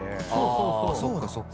あそっかそっか。